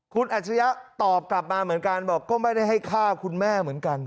คุณอัจฉริยะตอบกลับมาเหมือนกันบอกก็ไม่ได้ให้ฆ่าคุณแม่เหมือนกัน